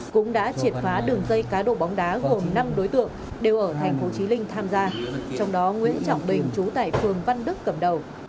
cũng đã triệt phá đường dây cá độ bóng đá gồm năm đối tượng đều ở thành phố trí linh tham gia trong đó nguyễn trọng bình chú tại phường văn đức cầm đầu